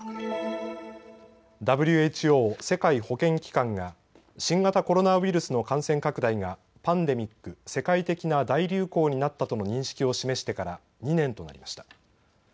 ＷＨＯ・世界保健機関が新型コロナウイルスの感染拡大がパンデミック・世界的な大流行になったとの認識を示してから２年となりました。